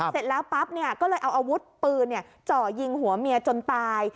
เสร็จแล้วปั๊บก็เลยเอาอาวุธปืนเจาะยิงหัวเมียจนตาย